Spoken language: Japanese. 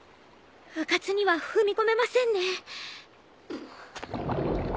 うかつには踏み込めませんね。